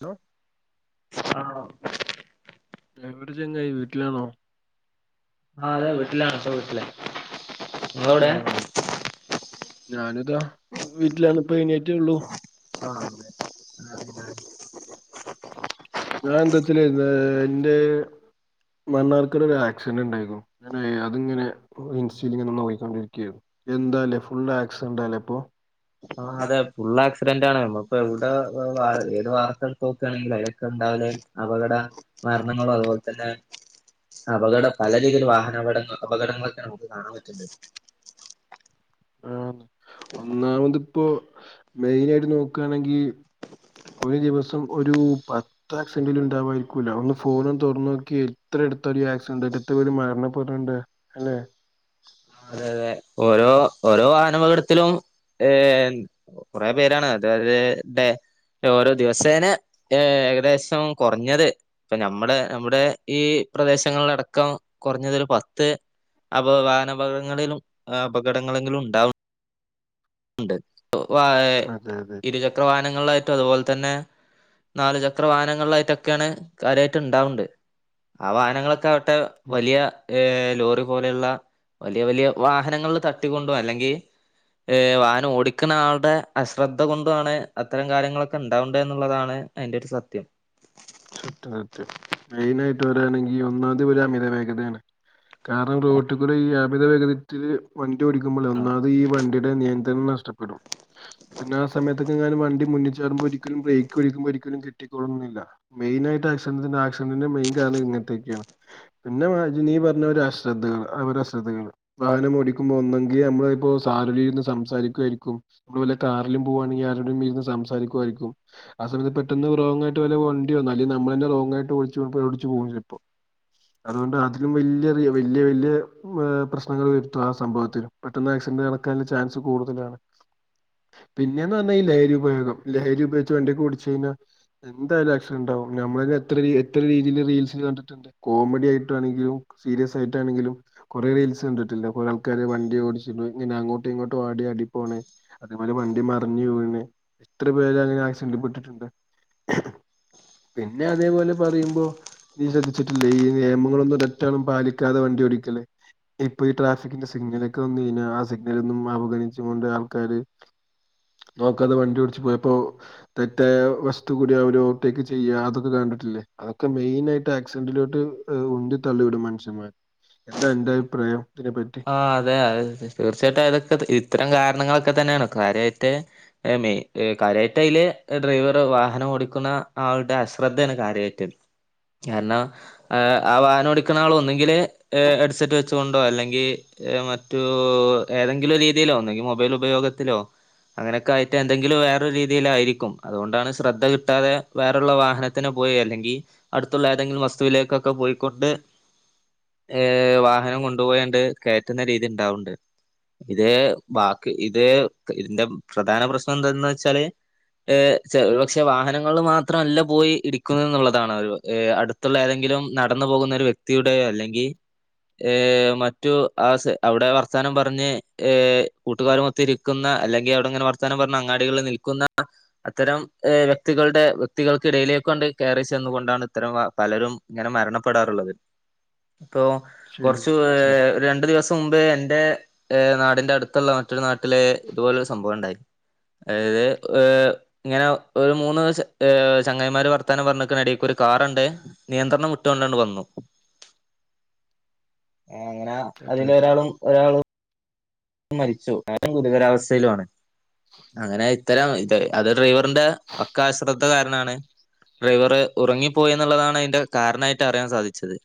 Hello ആഹ് ലെവ്ടെ ചെങ്ങായി വീട്ടിലാണോ ആഹ് അതെ വീട്ടിലാണ് പ്പ വീട്ട്ലാ ആഹ് ഞാനുതാ വീട്ടിലാണ് പ്പഴ്ണേറ്റൊള്ളൂ ആഹ് അതെ [unintelligible] ഞാൻന്തച്ചല് ന്നേ ന്റെ മണ്ണാർക്കാട് ഒരാക്സിഡന്റ്ണ്ടായ്ന്നു ഞാനുയ് അത്ങ്ങനെ ഇൻസ്റ്റേല്ങ്ങനെ നോയിക്കൊണ്ടിരിക്കേര് എന്താല്ലേ ഫുൾ ആക്സിഡന്റാലെപ്പൊ ആഹ് അതെ ഫുൾ ആക്സിഡന്റാണ് മ്മള്പ്പവ്ടെ വ്വ വാര് ഏത് വാർത്തട്ത്തോക്കാണെങ്കിലും അയിലൊക്കെണ്ടാവല് അപകട മര്നങ്ങളു അത്പോൽതന്നെ അപകടം പല രീതിയിൽ വാഹനാപടങ്ങൾ അപകടങ്ങളൊക്കെ നമുക്ക് കാണാൻ പറ്റ്ണ്ട് ആഹ് ഒന്നാമത്പ്പോ മെയിനായിട്ട് നോക്കാണങ്കീ ഒര് ദിവസം ഒരു പത് ത്താക്സന്റിലുണ്ടവായിര്കുലോ ഒന്ന് ഫോണൊൺ തൊർന്നോക്കി എത്രട്ത്താല് ഈ ആക്സിഡന്റ്ടത്ത് പേര് മര്ണപെട്ണ്ട് അല്ലെ അതെ അതെ ഓരോ ഓരോ വാഹനപകടത്തിലും ഏൻ കുറെ പേരാണ് അതായത് ടെ ഓരോ ദിവസേനെ ഏഹ് ഏകദേശം കൊറഞ്ഞത് ഇപ്പ ഞമ്മളെ നമ്മുടെ ഈ പ്രദേശങ്ങൾലടക്കം കൊറഞ്ഞതൊരു പത്ത് അപോ വാഹനപകങ്ങളിലും അപകടങ്ങളെങ്കിലും ഉണ്ടാവും ണ്ട് വാ ഏഹ് അതെ അതെ ഇരുചക്ര വാഹനങ്ങൾലായ്റ്റും അത്പോൽതന്നെ നാലുചക്ര വാഹനങ്ങൾലായി റ്റൊക്കെണ് കാര്യയിറ്റ്ണ്ടാവ്ണ്ട് ആവാഹനങ്ങളൊക്കെ അവ് ട്ട് വലിയ ഏഹ് ലോറി പോലെയുള്ള വലിയ വലിയ വാഹനങ്ങൾ തട്ടികൊണ്ടോ അല്ലെങ്കി ഏഹ് വാഹനം ഓടിക്ക്ണ ആള്ടെ അശ്രദ്ധ കൊണ്ടു ആണ് അത്തരം കാര്യങ്ങളൊക്കെ ഉണ്ടാവ്ണ്ട് എന്നുള്ളതാണ് ഐൻ്റൊര് സത്യം സത്യം സത്യം മെയിൻ ആയിട്ട് പറയാണെങ്കിൽ ഒന്നാമത് ഇവര് അമിത വേഗതയാണ് കാരണം റോട്ടകുടെ ഈ അമിത വേഗത്തില് വണ്ടി ഓടിക്കുമ്പള് ഒന്നാമ ത് ഈ വണ്ടിയുടെ നിയന്ത്രണം നഷ്ടപ്പെടും പിന്നെ ആ സമയത്തൊക്കെങ്ങാനും വണ്ടി മുന്നിൽ ചാടുമ്പോ ഒരിക്കലും ബ്രേക്ക് പിടിക്കുമ്പോ ഒരിക്കലും കെട്ടിക്കോളൊന്നില്ല മെയിനായിട്ട് ആക്സിഡന്റിന്റെ ആക്സിഡ്ന്റിന്റെ മെയിൻ കാരണം ഇങ്ങനത്തൊക്കെയാണ് പിന്നെ മജ നീ പറഞ്ഞപോലെ അശ്രദ്ധകള് അവരശ്രദ്ധകള് വാഹനം ഓടിക്കുമ്പോ ഒന്നെങ്കി നമ്മള് ഇപ്പോ സാറിലിരുന്ന് സംസാരിക്കുവായിരിക്കും അത് പോലെ കാറിലും പോകുവാണെങ്കിൽ ആരോടെങ്കിലും ഇരുന്ന് സംസാരിക്കുവായിരിക്കും ആ സമയത്ത് പെട്ടെന്ന് വ്രോങ്ങായിട്ട് വല്ല വണ് ണ്ടി വന്നാല് നമ്മളന്നെ റോങ്ങയിട്ട് ഓടിച് ഓടിച്ചുപോവും ചെല്പം അതുകൊണ്ട് അതിലും വല്യേറിയ വല്യ വല്യ ഏ പ്രശ്നങ്ങൾ വരുത്തും ആ സംഭവത്തില് പെട്ടന്ന് ആക്സിഡന്റ് കടക്കാന്ള്ള ചാൻസ് കൂടുതലാണ് പിന്നെ എന്ന് പറഞ്ഞാ ഈ ലഹരി ഉപയോഗം ലഹരി ഉപയോഗിച്ച് വണ്ടിക്കെ ഓടിച്ചഴിഞ്ഞാ എന്താലു ആ സിഡന്റാവും നമ്മളെന്നെ എത്ര രീ രീതിയിൽ റീൽസിൽ കണ്ടിട് കോമഡി ആയിട്ടാണെങ്കിലും സീരിയസ് ആയിട്ടാണെങ്കിലും കുറെ റീൽസ് കണ്ടിട്ടില്ലെ കുറേ ആൾക്കാര് വണ്ടി ഓടിച്ചി ഇങ്ങനെ അങ്ങോട്ടും ഇങ്ങോട്ടും ആടി ആടി പോണെ അതേപോലെ വണ്ടി മറിഞ്ഞ് വീണ് എത്ര പേര് അങ്ങനെ ആക്സിഡന്റിൽപ്പെട്ടിട്ടുണ്ട് പിന്നെ അതേപോലെ പറയുമ്പോ നീ ശ്രദ്ധിച്ചിട്ടില്ലേ ഈ നിയമങ്ങളൊന്നും ഒരറ്റാളും പാലിക്കാതെ വണ്ടിഓടിക്കല് ഇപ്പൊ ഈ ട്രാഫിക്കിന്റെ സിഗ്നലൊക്കെ വന്നു കഴിഞ്ഞാ ആ സിഗ്നലൊന്നും അവഗണിച്ചു കൊണ്ട് ആൾക്കാര് നോക്കാതെ വണ്ടി ഓടിച്ച് പോയപ്പോ തെറ്റായ വശത്തു കൂടെ അവര് ടേക്ക് ചെയ്യാ അതൊക്കെ കണ്ടിട്ടില്ലേ അതൊക്കെ മെയിൻ ആയിട്ട് ആക്സിഡന്റിലോട്ട് ഉണ്ടി തള്ളിവിടും മനുഷന്മാരെ എന്താ അന്റെ അഭിപ്രായം ഇതിനെപ്പറ്റി ആഹ് അതേ അയ് തീർച്ചായിട്ടും അതൊക്കെ ഇത്തരം കാരണങ്ങളൊക്കെ തന്നേണ് കാര്യായിട്ട് ഏഹ് മെയ് ഏഹ് കാര്യയ്റ്റയില് ഏഹ് ഡ്രൈവർ വാഹനം ഓടിക്ക്ന്ന ആൾടെ അശ്രദ്ധേണ് കാര്യായ്റ്റ് കാര്ണം ആഹ് വാഹനോടിക്ക്ന്നാളാ ഒന്നുങ്കില് ഹെട്സെറ്റ് വെച്ചോണ്ടൊ അല്ലെ ങ്കി മറ്റൂ ഏതെങ്കിലു രീതിയിലൊ ഒന്നുകി മൊബൈൽ ഉപയോഗത്തിലൊ അങ്ങനൊക്കായിട്ട് എന്തെങ്കിലും വേറൊ രീതിയിലായിരിക്കും അതുകൊണ്ടാണ് ശ്രദ്ധ കിട്ടാതെ വേറൊള്ള വാഹനത്തിന പോയി അല്ലെങ്കി അടുത്തുള്ളെ ഏതെങ്കിലും വസ്തുവിലേകൊക്കെ പോയിക്കൊണ്ട് ഏഹ് വാഹനം കൊണ്ട്പോയണ്ട് കയറ്റ്ന്ന രീതി ഇണ്ടാവ്ണ്ട് ഇത് ബാക്കി ഇത് ഇതിന്റെ പ്രധാന പ്രശ്നെന്തന്ന് വെച്ചാല് ഏഹ് ക്ഷെ ഒരു പക്ഷെ വാഹനങ്ങള് മാത്രവല്ല പോയി ഇടിക്കുന്നെന്നുള്ളതാണ് ഒരു ഏഹ് അടു ത്തുള്ള ഏതെങ്കിലും നടന്ന് പോകുന്ന ഒര് വ്യക്തിയുടെ അല്ലെങ്കി ഏഹ് മ മറ്റു അവടെ വർത്താനം പർഞ്ഞ് ഏഹ് കൂട്ടുകാരുമൊത്തിരിക്ക്ന്ന അല്ലെങ്കി അവടങ്ങന വർ ത്താനം പർഞ്ഞ് അങ്ങാടികളിൽ നിൽക്കുന്ന അത്തരം ഏഹ് വ്യക്തികൾടെ വ്യക്തിൾക്കിടയിലേക്കൊണ്ട് കേറിച്ചെന്ന് കൊണ്ടാണ് ഇത്തരം വ പലരും ഇങ്ങന മരണപ്പെടാറ്ള്ളത്. ഇപ്പോ ശരി കൊർച്ച് ശരി ഏഹ് രണ്ടു ദിവസം മുമ്പേ എന്റേ നാടിന്റെ അട്ത്ത്ള്ള മറ്റൊരു നാട്ടിലേ ഇതുപോലൊര് സംഭവ ഇണ്ടായി അത് ഓഹ് ഇങ്ങനെ ഒരു മൂന്ന് ചെ ഏഹ് ചങ്ങായിരിമാര് വർത്താനം പറഞ്ഞ്ക്ക്ണ എടീക്ക് ഒര് കാറണ്ട് നിയന്ത്രണം വിട്ടോണ്ട് വന്നു [inaudible] അങ്ങനെ അതെ അതെ അതിലൊരാളും ഒരാളും മരിച്ചു അയാളും ഗുരുതരാവസ്ഥയിലു ആണ് അങ്ങനെ ഇത്തരം ഇത അത് ഡ്രൈവറിന്റെ പക്കാ അശ്രദ്ധ കാര്ണാണ് ഡ്രൈവറ് ഉറങ്ങിപ്പോയി ഇന്ന്ള്ളതാണ് അതിന്റെ കാരണായിട്ട് അറിയാൻ സാധിച്ചത്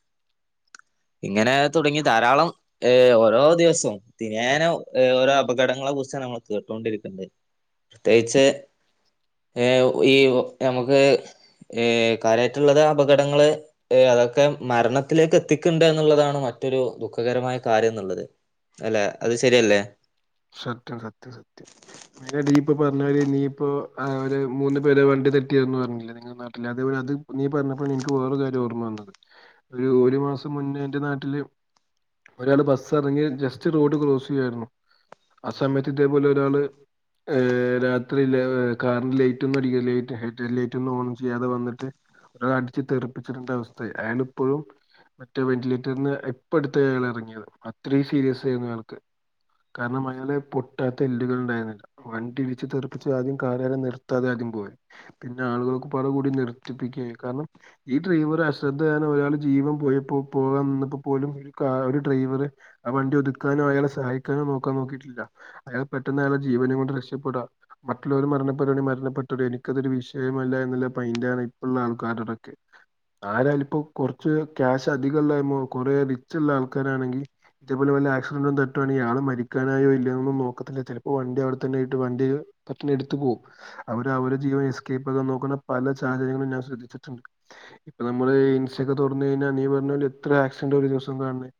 ഇങ്ങനെ തുടങ്ങി ധാരാളം ഏഹ് ഓരോ ദിവസം ഏന ഓരൊ അപകടങ്ങളെ കുറ്ച്ചാണ് നമ്മൾ കേട്ടോണ്ടിരിക്ക്ണ്ട് പ്രത്യേകിച്ച് ഏഹ് ഈ ഞമ്മക്ക് ഏഹ് കാര്യായിട്ട്ള്ളത് അപകടങ്ങള് ഏഹ് അതൊക്ക മരണത്തിലേക്ക് എത്തിക്ണ്ട് എന്നുള്ളതാണ് മറ്റൊരു ദുഃഖകരമായ കാര്യം എന്ന്ള്ളത് അല്ലെ അത് സരിയല്ലെ സത്യം സത്യം സത്യം അയ്‌ന്റെ ടീപ്പ് പർഞാരി നീയിപ്പോ അവരെ മൂന്ന് പേരെ വണ്ടി തട്ടി അർഞു പർഞ്ഞിലെ നീ നാട്ടില് അതെപോലെ അത് നീ പറ്ഞ്ഞപ്പൊ ഇൻക്ക് വേറൊര് കാര്യ ഓർമ്മ വന്നത് ഒരൂ ഒര് മാസം മുന്നെ എന്റെ നാട്ട്ല് ഒരാള് ബസ്സ് എറങ്ങി ജസ്റ്റ് റോഡ് ക്രോസ്സിയ്യായിരുന്നു ആ സമയത്ത് ഇതേപോലൊരാള് ഏഹ് രാത്രില്ലെ ഏഹ് കാറിന് ലൈറ്റൊന്നും അടിക്ക ലൈറ്റ് ഹെഡ്ഡ്ലൈറ്റൊന്നും ഓൺ ചെയ്യാതെ വന്ന്ട്ട് ഒരു അടിച്ച് തെറിപ്പിച്ചിട്ണ്ട അവസ്ഥെ അയാളിപ്പഴും മറ്റെ വെന്റിലേറ്റർന്ന് ഇപ്പട്ത്തെ അയാളെറങ്ങിയത് അത്രയും സീരിയെസെരുന്നു അയാൾക്ക് കാര്ണമായ് അയാളെ പൊട്ടാത്ത എല്ലുകള് ഇണ്ടായിര്ന്നില്ല. വണ്ടി ഇടിച്ച് തെറുപ്പിച്ച് ആദ്യം കാറാരം നിർത്താതെ ആദ്യം പോ പിന്നെ ആളുകളൊക്കപാടെ കൂടി നിർത്തിപ്പിക്കെ കാര്ണം ഈ ഡ്രൈവറെ അശ്രദ്ധ കാര്ണം ഒരാളെ ജീവൻ പോയപ്പൊ പോകാൻ നിന്നപ്പൊ പോലും കാ ഒരു ഡ്രൈവറെ ആ വണ്ടി ഒത്ക്കാനും അയാളെ സഹായിക്കാനും നോക്കാൻ നോക്കീട്ടില്ല അയാള് പെട്ടെന്ന് അയാളെ ജീവനും കൊണ്ട് രക്ഷപ്പെട മറ്റുള്ളവര് മരണപ്പെടാണെ മരണപ്പെട്ടോടെ എനിക്കതൊരു വിഷയമല്ല എന്ന്ള്ള പയ്ന്റാണ് ഇപ്പള്ള ആൾക്കാര്ടൊക്കെ ആരാലെ ഇപ്പൊ കൊറ്ച്ച് ക്യാഷ് അധികം ഇള്ളമൊ കൊറേ റിച്ച്ള്ള ആൾക്കാരാണെങ്കി ഇത്പോലെ വല്ല ആക്സിഡന്റും തട്ടാണെങ്കി ആള് മരിക്കാനായൊ ന്നും നോക്കത്തില്ല ചെലപ്പൊ വണ്ടി അവടെ തന്നെയിട്ട് വണ്ടി പെട്ടനെ എടുത്ത് പോവും അവര് അവരെ ജീവൻ എസ്കേപ്പാകൻ നോക്ക്ന്ന പല സാഹചര്യങ്ങളും ഞാൻ ശ്രദ്ധിച്ചിട്ട്ണ്ട് ഇപ്പ ഞമ്മള് ഇൻസ്റ്റൊക്കെ തൊർന്ന് കഴിഞ്ഞ നീ പർഞ്ഞോലെ എത്ര ആക്സിഡന്റ ഒരു ദിവസം കാൺണെ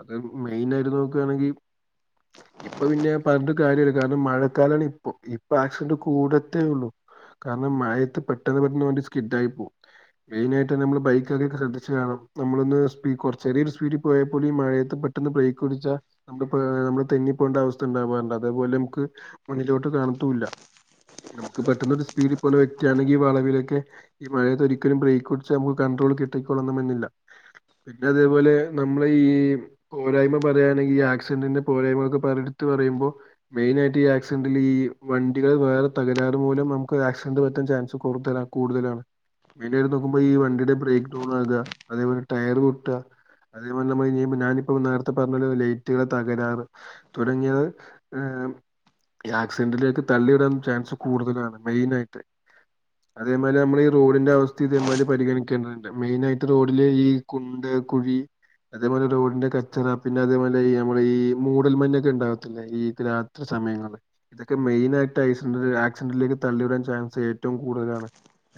അത് മെയിനായിട്ട് നോക്കാണെങ്കി ഇപ്പൊ പിന്നെ പർഞ്ഞിട്ട് കാര്യല്ല. കാര്ണം മഴക്കാലാണ് ഇപ്പൊ ഇപ്പൊ ആക്സിഡന്റ് കൂടത്തെ ഉള്ളു കാരണം മഴത്ത് പെട്ടെന്ന് പെട്ടെന്ന് വണ്ടി സ്കിഡ ആയി പോവും മെയിനായിട്ട് നമ്മള് ബൈക്കരെ ശ്രദ്ധിച്ചു കാണം നമ്മളൊന്ന് സ്പി കുറച്ചേറിയ ഒരു സ്പീഡി പോയ പോലും ഈ മഴയത് പെ ട്ടന്ന് ബ്രേക്ക് കുടിച്ച നമ്മള് പാ നമ്മള് തെന്നി പോണ്ട അവസ്ഥ ഉണ്ടാവാറുണ്ട് അതേപോലെ നമുക്ക് മുന്നിലോട്ട് കാണതൂല്ല നമുക്ക് പറ്റുന്നൊരു സ്പീഡിൽ പോന്ന വെക്തിയാണെങ്കിൽ ഈ വളവിലൊക്കെ ഈ മഴയത്ത് ഒരിക്കലും ബ്രേക്ക് കുടിച്ച നമുക്ക് കൺട്രോൾ കിട്ടിക്കൊള്ളന്നും മെന്നില്ല പിന്നെ അതേപോലെ നമ്മള് ഈ പോരായ്മ പറയയാണെങ്കി ഈ ആക്സിഡന്റിന്റെ പോരായ്മകൊക്കെ പല എടുത്ത് പറയുമ്പോൾ മെയിൻ ആയിട്ട് ഈ ആക്സിഡന്ൽ ഈ വണ്ടികൾ വേറെ തകരാറ് മൂലം നമുക്ക് ആക്സിഡന്റ് പറ്റാൻ ചാൻസ് കൂടുതലാണ് കൂടുതലാണ് മെയനായിട്ട് നോക്കുമ്പോ ഈ വണ്ടിയുടെ ബ്രേക്ക് ഡൗൺ ആക അതേപോലെ ടയർ പൊട്ട്അ അതേപോലെ നമ്മൾ ഞാനിപ്പോ നേരത്തെ പറഞ്ഞ ലൈറ്റുകളെ തകരാറ് തുടങ്ങിയത് ഏഹ് ആക്സിഡന്റിലേക്ക് തള്ളി വിടൻ ചാൻസ് കൂടുതലാണ് മെയിനായിട്ട് അതേമാരി നമ്മള് റോഡിന്റെ അവസ്ഥ ഇതേമാരി പരിഗണിക്കേണ്ടതുണ്ട് മെയിനായിട്ട് റോഡില് ഈ കുണ്ട് കുഴി അതേപോലെ റോഡിന്റെ കച്ചറ പിന്നെ അതേപോലെ നമ്മൾ ഈ മൂടൽമഞ്ഞ ഇണ്ടാവത്തില്ല ഈത് രാത്രി സമയങ്ങളിൽ ഇതൊക്കെ മെയിനായിട്ട് ആയിസ്ന്ററ് ആക്സിഡന്റിലേക്ക് തള്ളി വരാൻ ചാൻസ് ഏ റ്റവും കൂടുതലാണ്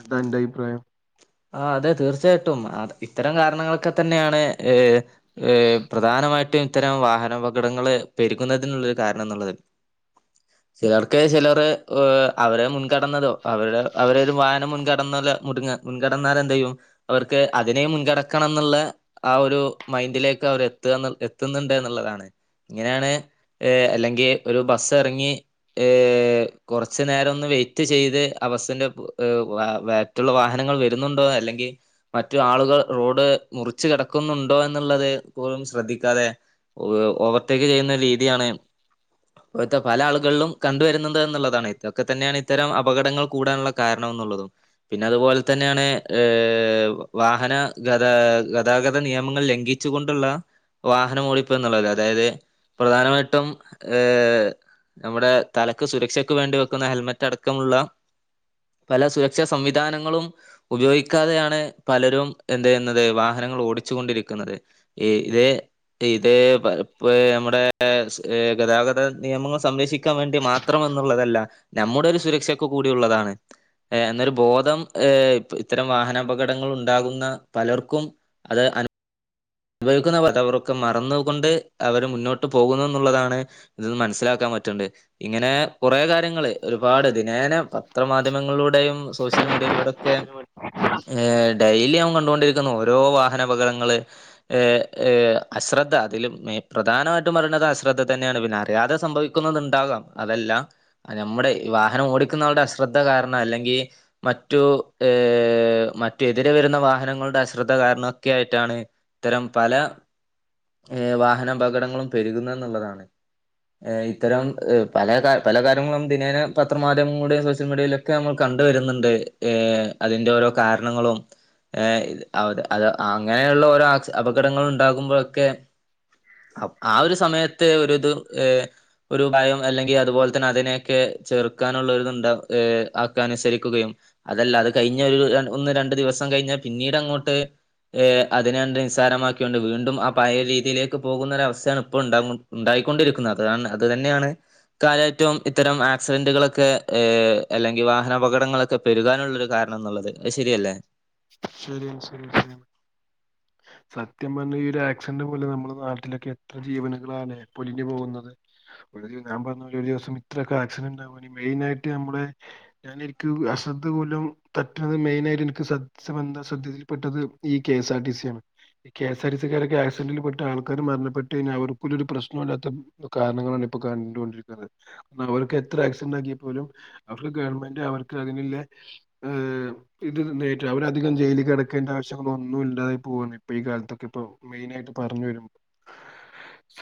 എന്താ അന്റെറ അഭിപ്രായം ആഹ് അതെ തീർച്ചയായിട്ടും അ ഇത്തരം കാരണങ്ങളൊക്കെ തന്നെയാണ് ഏ ഏ പ്രധാനമായിട്ടും ഇത്തരം വാഹനപകടങ്ങള് പെരുകുന്നതിനുള്ളൊരു കാരണം എന്നുള്ളത്. [inaudible] ചിലർക്ക് ചിലർ ഓ അവരെ മുൻകടന്നതോ അവരുടെ അവര ഒരു വാഹനം മുൻകടന്നത് മുടുങ്ങ് മുൻകടന്നലെന്ത് ചെയ്യും അവർക്ക് അതിനേ മുൻകടക്കണം എന്നുള്ളെ ആ ഒരു മൈൻഡിലേക്ക് അവർ എത്തുകന്ന് എത്തുന്നുണ്ട് എന്നുള്ളതാണ് ഇങ്ങനെയാണ് ഏ അല്ലെങ്കിൽ ഒരു ബസ്സ് എറങ്ങി ഏ കൊറച്ചു നേരം ഒന്ന് വെയിറ്റ് ചെയ്ത് ആബസിന്റെ പു എ വ വെ വറ്റുള്ള വാഹന ങ്ങൾ വരുന്നുണ്ടോ അല്ലെങ്കിൽ മറ്റു ആളുകൾ റോഡ് മുറിച്ച കടക്കുന്നുണ്ടോ എന്നുള്ളത് പോലും ശ്രദ്ധിക്കാതെ ഒ ഓവർടേക്ക് ചെയ്യുന്ന രീതിയാണ് പ്പത്തെ പല ആളുകളിലും കണ്ടുവരുന്നണ്ട് എന്നുള്ളതാണ് ഇതൊക്കെ തന്നെയാണ് ഇത്തരം അപകടങ്ങൾ കൂടാനുള്ള കാരണം എന്നുള്ളതും പിന്നെ അതുപോലെ തന്നെയാണ് ഏഹ് വാഹന ഗത ഗതാഗത നിയമങ്ങൾ ലംഘിച്ചു കൊണ്ടുള്ള വാഹനം ഓടിപ്പ് എന്നുള്ളത് അതായത് പ്രധാനമായിട്ടും ഏഹ് നമ്മുടെ തലക്ക് സുരക്ഷയ്ക്ക് വേണ്ടി വെക്കുന്ന ഹെൽമെറ്റ് അടക്കമുള്ള പല സുരക്ഷാ സംവിധാനങ്ങളും ഉപയോഗിക്കാതെയാണ് പലരും എന്ത് ചെയ്യുന്നത് വാഹനങ്ങൾ ഓടിച്ചു കൊണ്ടിരിക്കുന്നത്. ഈ ഇതേ ഇത് ഇപ്പ പ്പ് നമ്മടെ സു ഗതാഗത നിയമങ്ങൾ സംരക്ഷിക്കാൻ വേണ്ടി മാ മാത്രം എന്നുള്ളതല്ല നമ്മുടെ ഒരു സുരക്ഷക്ക കൂടിയള്ളതാണ് എന്നൊരു ബോധം ഏഹ് ഇത്തരം വാഹനാപകടങ്ങൾ ഉണ്ടാകുന്ന പലർക്കും അത് അനു ഭവിക്കുന്ന പ അവർക്കെ മറന്നുക കൊണ്ട് അവര് മുന്നോട്ട് പോകുന്നു എന്നുള്ളതാണ്. ഇതിന്ന് മനസ്സിലാക്കാൻ പറ്റണ്ട് ഇങ്ങനെ കുറേ കാര്യങ്ങള് ഒരുപാട് ദിനേന പത്രമാധ്യമങ്ങളിലൂടെയും സോഷ്യൽ മീഡിയയിലൂടെ ഒക്കെ ഡെലി അവൻ കണ്ടുകൊണ്ടിരിക്കുന്ന ഓരോ വാഹനപകടങ്ങള് ഏ ഏ അശ്രദ്ധ അതിലും മെ പ്രധാനമായിട്ടും പറയണത് അശ്രദ്ധ തന്നെയാണ് പിന്നെ അറിയാതെ സംഭവിക്ക ക്ന്നതുണ്ടാകാം അതല്ല ഞമ്മുടെ വാഹനം ഓടിക്കുന്നവളടെ അശ്രദ്ധ കാരണം അല്ലെങ്കിൽ മറ്റു ഏ മറ്റുതിരെ വരുന്ന വാഹനങ്ങളുടെ അശ്രദ്ധ കാരണൊക്കെ ആയിട്ടാണ്- ഇത്തരം പല ഏ വാഹനപകടങ്ങളും പെരുകുന്നെ എന്നുള്ളതാണ്. ഏ ഇത്തരം പല പല കാര്യങ്ങളും ദിനേന പത്രമാധ്യമങ്ങളൂടെയും സോഷ്യൽ മീഡിയിലും- ഒക്കെ നമ്മൾ കണ്ടുവരുന്നുണ്ട് ഏ അതിന്റെ ഓരോ കാരണങ്ങളും ഏ ത് അവ്തെ അത് ആ അങ്ങനെയുള്ള ഓരോ ആക്സി അപകടങ്ങളുണ്ടാകുമ്പോഴൊക്കെ അപ് ആ ഒരു സമയത്ത് ഒരുത് ഏ ഒരു ഭയം അല്ലെങ്കി അതുപോലെ തന്നെ അതിനെയൊക്കെ ചെറുക്കാനുള്ളൊരുതുണ്ടാക്കയ ഏ ആക്കെ അനുസരിക്കുകയും അതല്ല അത് കഴിഞ്ഞ ഒരു രണ്ട് ഒന്ന് രണ്ടു ദിവസം കഴിഞ്ഞാ പിന്നീടങ്ങോട്ട് ഏ അത് അതിന് സ്സാരമാക്കിയൊണ്ട് വീണ്ടും ആ പയ്യെ രീതിയിലേക്ക് പോകുന്ന ഒരവ സ്ഥയാണ് ഇപ്പോൾ ഉണ്ടാവ് ഉണ്ടായിക്കൊണ്ടിരിക്കുന്നേ അതാണ് അത് തന്നെയാണ്. ഈകാലേറ്റവും ഇത്തരം ആക്സിഡന്റുകളൊക്കെ ഏ അല്ലെങ്കിൽ വാഹനപകടങ്ങളൊക്കെ പെരുകാനുള്ള ത് കാരണം എന്നുള്ളത് അത് ശരിയല്ലേ? ശരിയാണ് ശര്യാണ് ശരിയാണ്. സത്യം പറഞ്ഞാൽ ഈ ഒരു ആക്സിഡന്റ് പോലെ നമ്മളെ നാട്ടിലൊക്കെ എത്ര ജീവനുകളാലേ പൊലിഞ്ഞു പോകുന്നത്. ഒരു ഞാൻ പറഞ്ഞ ഒരു ദിവസം ഇത്രയൊക്കെ ആക്സിഡന്റ് ആവാന് മെയിൻ ആയിട്ട് നമ്മടെ ഞാന് എനിക്ക് അശ്രദ്ധ മൂലം തട്ടാതെ മെയിന ആയിട്ട് എനിക്ക് സ സംബന്ധ ശ്രദ്ധയിൽപ്പെട്ടത് ഈ കെ സാർ ടി സി ആണ്. K S R T C കാരൊക്കെ ആക്സിഡന്റിൽപ്പെട്ട് ആൾക്കാര് മരണപ്പെട്ട് കഴിഞ്ഞാൽ അവർക്ക്പോലും ഒരു പ്രശ്നം ഇല്ലാത്ത കാരണങ്ങളാണ് ഇപ്പൊ കണ്ടൊണ്ടിരിക്കുന്നത് അവർക്ക് എത്ര ആക്സിഡന്റ് ആക്കിയ പോലും അവർക്ക് ഗവൺമെന്റ് അവർക്ക് അതിനുള്ള ഏ ഇത് നേ രിട്ട് അവര് അധികം ജയില് കെടക്കേണ്ട ആവശ്യങ്ങളൊന്നും ഇല്ലാതായി പോകാണ് ഇപ്പോ ഈ കാലത്തൊക്കെ ഇപ്പോ മെയിനായിട്ട് പറഞ്ഞു വരുമ്പൊ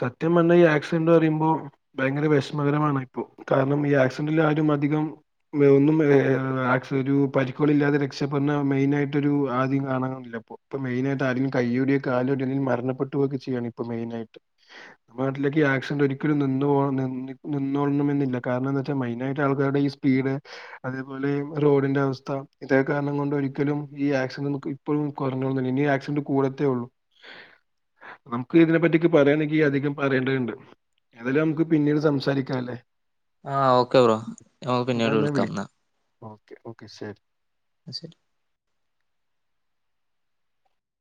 സത്യം പറഞ്ഞ ഈ ആക്സിഡന്റ് പറയുമ്പോ ഭയങ്കര വിഷമകരമാണ് ഇപ്പോ കാരണം ഈ ആക്സിഡൻ്റിൽ ആരും അധികം ഒന്നും ആ ആക്സി ഒരു പരിക്കോളി ല്ലാതെ രക്ഷപ്പെടണ മെയിനായിട്ടൊരു ആദ്യം കാണാറില്ല ഇപ്പോ ഇപ്പൊ മെയിനായിട്ട് ആരേലും കയ്യൊടിയോ കാലോടിയോ ഇല്ലേല് മരണപ്പെട്ടു പോകുവൊക്കെ ചെയ്യാണ് ഇപ്പൊ മെയിനായിട്ട് നമ്മുടെ നാട്ടിലൊക്കെ ഈ ആക്സിഡന്റ് ഒരിക്കലും നിന്ന് പോണം നിന്നോളണം എന്നില്ല കാരണംന്ന്ച്ചാ മെയിനായിട്ട് ആൾക്കാരുടെ ഈ സ് പീഡ് അതേപോലെ റോഡിന്റെ അവസ്ഥ ഇതേ കാരണം കൊണ്ടൊരി ക്കലും ഈ ആക്സിഡന്റ് ഇപ്പോഴും കുറഞ്ഞോളണം എന്നില്ല ഇനിയും ആക്സിഡന്റ് കൂടത്തേ ഉള്ളു നമുക്ക് ഇതിനെ പറ്റിയൊക്കെ പറയാണെങ്കിൽ അധികം പറയേണ്ടതുണ്ട് അതെല്ലാം നമുക്ക് പിന്നീട് സംസാരിക്കാം അല്ലേ ആഹ് ഓക്കെ ബ്രോ ഞമക്ക് ഞാൻ പിന്നീട് വിളി വിളക്കാം എന്നാ ഓക്കെ ഓക്കെ ശരി ശെരി